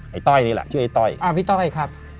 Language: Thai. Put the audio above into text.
ต้อยนี่แหละชื่อไอ้ต้อยอ่าพี่ต้อยครับ